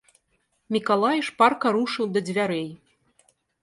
Мікалай шпарка рушыў да дзвярэй.